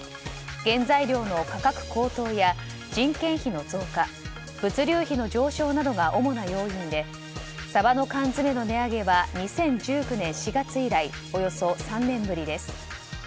原材料の価格高騰や人件費の増加物流費の上昇などが主な要因でサバの缶詰の値上げは２０１９年４月以来およそ３年ぶりです。